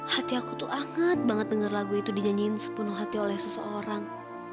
hati aku tuh anget banget dengar lagu itu dinyanyiin sepenuh hati oleh seseorang